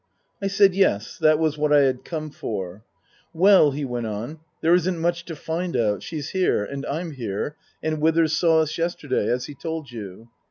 I said, Yes, that was what I had come for. " Well," he went on ;" there isn't much to find out. She's here. And I'm here. And Withers saw us yesterday. As he told you."